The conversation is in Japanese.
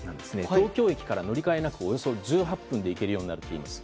東京駅から乗り換えなしでおよそ１８分で行けるようになるといいます。